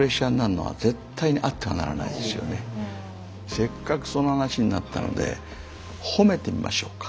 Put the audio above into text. せっかくその話になったので褒めてみましょうか。